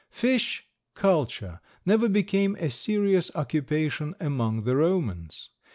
Fish culture never became a serious occupation among the Romans.